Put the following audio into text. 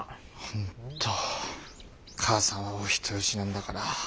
ほんっと母さんはお人よしなんだから。